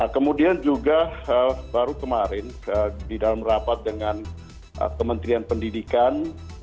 kemudian juga baru kemarin di dalam rapat dengan kementerian pendidikan